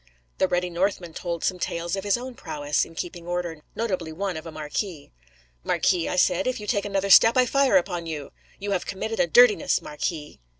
The ruddy Northman told some tales of his own prowess in keeping order: notably one of a Marquis. 'Marquis,' I said, 'if you take another step I fire upon you. You have committed a dirtiness, Marquis.